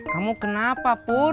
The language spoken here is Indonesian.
kamu kenapa pur